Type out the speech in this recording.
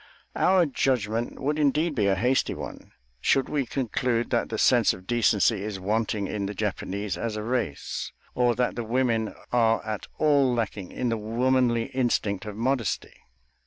Our judgment would indeed be a hasty one, should we conclude that the sense of decency is wanting in the Japanese as a race, or that the women are at all lacking in the womanly instinct of modesty.